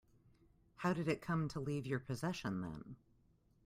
How did it come to leave your possession then?